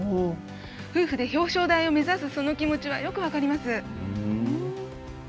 夫婦で表彰台を目指す気持ちはよく分かります。